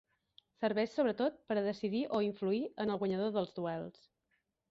Serveix sobretot per a decidir o influir en el guanyador dels duels.